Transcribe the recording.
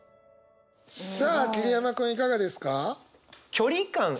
さあ桐山君いかがですか。